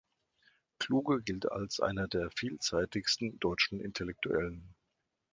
Kluge gilt als einer der vielseitigsten deutschen Intellektuellen.